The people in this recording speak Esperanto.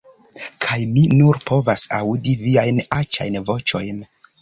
"Kaj mi nur povas aŭdi viajn aĉajn voĉojn!"